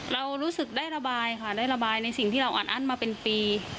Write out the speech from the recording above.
เรารู้สึกได้ระบายค่ะได้ระบายในสิ่งที่เราอัดอั้นมาเป็นปี